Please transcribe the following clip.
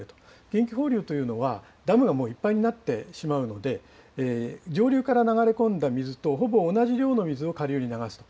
緊急放流というのは、ダムがもういっぱいになってしまうので、上流から流れ込んだ水とほぼ同じ量の水を下流に流すと。